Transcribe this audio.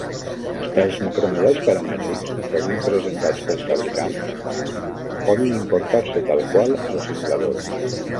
Els macromodels paramètrics, sovint presentats pels fabricants, poden importar-se tal qual al simulador.